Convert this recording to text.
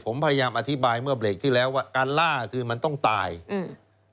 ผมพยายามอธิบายเมื่อเบรกที่แล้วว่าการล่าคือมันต้องตายอืม